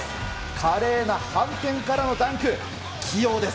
華麗な反転からのダンク、器用です。